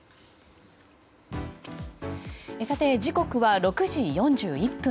時刻は６時４１分。